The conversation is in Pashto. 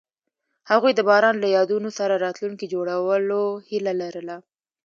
هغوی د باران له یادونو سره راتلونکی جوړولو هیله لرله.